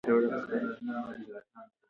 تمرین ستاسو مهارتونه پیاوړي کوي.